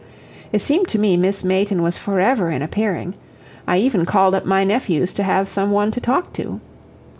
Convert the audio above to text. It seemed to me Miss Mayton was forever in appearing; I even called up my nephews to have some one to talk to.